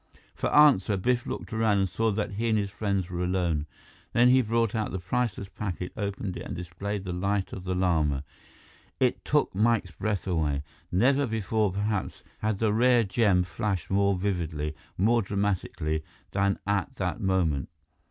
For answer, Biff looked around and saw that he and his friends were alone. Then he brought out the priceless packet, opened it, and displayed the Light of the Lama. It took Mike's breath away. Never before, perhaps, had the rare gem flashed more vividly, more dramatically, than at that moment.